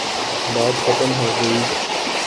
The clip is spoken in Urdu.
بات ختم ہو گئی۔